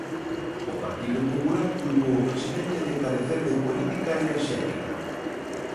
O Partido Popular culpou o presidente de carecer de política enerxética.